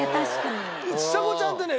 ちさ子ちゃんってね